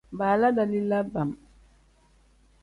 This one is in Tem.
Baala dalila bam.